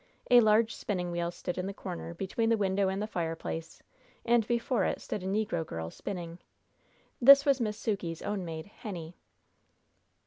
A large spinning wheel stood in the corner between the window and the fireplace, and before it stood a negro girl, spinning. This was Miss Sukey's own maid, Henny.